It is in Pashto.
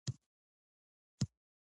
هورموني ميتود